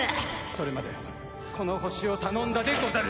それまでこの星を頼んだでござる！